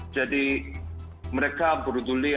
jadi mereka berduly